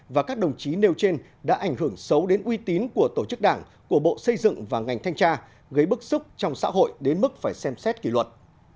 và các đồng chí nêu trên đã ảnh hưởng xấu đến uy tín của tổ chức đảng của bộ xây dựng và ngành thanh tra gây bức xúc trong xã hội đến mức phải xem xét kỷ luật